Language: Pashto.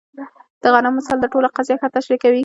د غنمو مثال دا ټوله قضیه ښه تشریح کوي.